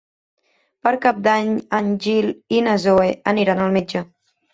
Per Cap d'Any en Gil i na Zoè aniran al metge.